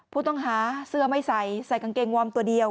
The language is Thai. ผู้ต้องหาเสื้อไม่ใส่ใส่กางเกงวอร์มตัวเดียว